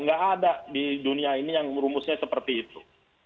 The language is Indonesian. nggak ada di dunia ini yang rumusnya seperti itu